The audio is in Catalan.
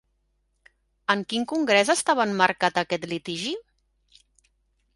En quin congrés estava emmarcat aquest litigi?